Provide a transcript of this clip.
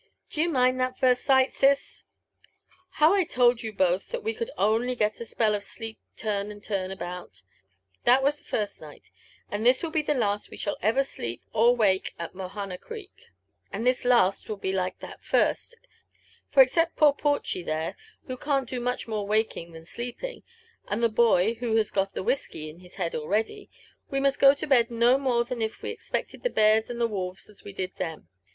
D'ye mind that first night, sis ?— how I told you both that we could only get a spell of sleep turn and turn about ? That was the first night, and this will be the last we shall ever sleep or wake at Mohana Creek. 28 LIFE AND ADVENTURES OF And this last will be like that Grst ; for except poorPorchy there, who canft do much more waking than sleeping, and the boy, who has got the whisky in his head already, we must go to bed no more than if we expected the bears and the wolves as we did then.